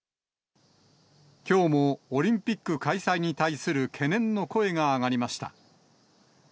きょうもオリンピック開催に対する懸念の声が上がりました。